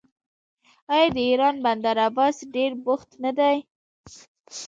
آیا د ایران بندر عباس ډیر بوخت نه دی؟